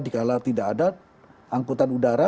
dikala tidak ada angkutan udara